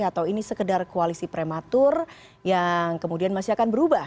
atau ini sekedar koalisi prematur yang kemudian masih akan berubah